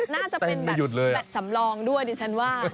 น่าจะเป็นแบบแบตสำรองด้วยดิฉันว่า